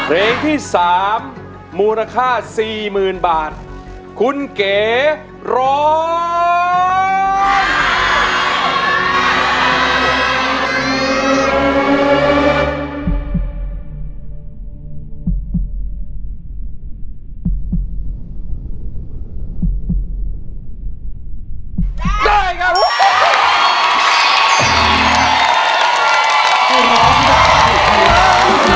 โทษให้โทษให้โทษให้โทษให้โทษให้โทษให้โทษให้